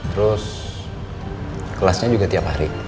terus kelasnya juga tiap hari